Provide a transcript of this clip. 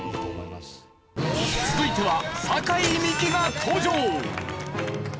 続いては酒井美紀が登場！